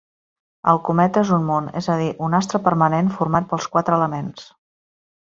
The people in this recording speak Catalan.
El cometa és un món, és a dir, un astre permanent, format pels quatre elements.